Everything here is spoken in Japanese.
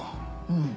うん。